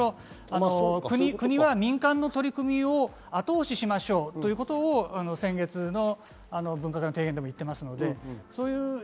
国は民間の取り組みをあと押ししましょうということを先月の分科会の提言でも言っています。